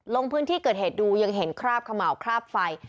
ลงพื้นที่เกิดเหตุดูยังเห็นคราบเขม่าวคราบไฟ